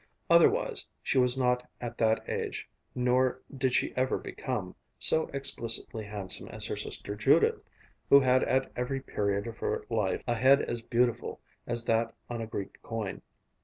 Otherwise she was not at that age, nor did she ever become, so explicitly handsome as her sister Judith, who had at every period of her life a head as beautiful as that on a Greek coin.